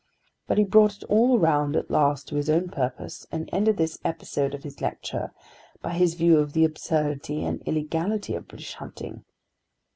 But he brought it all round at last to his own purpose, and ended this episode of his lecture by his view of the absurdity and illegality of British hunting.